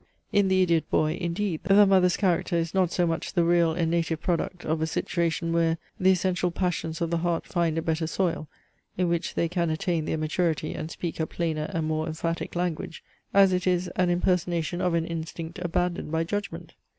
In THE IDIOT BOY, indeed, the mother's character is not so much the real and native product of a "situation where the essential passions of the heart find a better soil, in which they can attain their maturity and speak a plainer and more emphatic language," as it is an impersonation of an instinct abandoned by judgment.